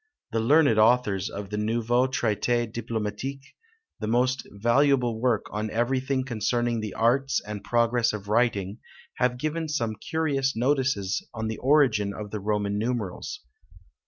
The learned authors of the Nouveau Traité Diplomatique, the most valuable work on everything concerning the arts and progress of writing, have given some curious notices on the origin of the Roman numerals.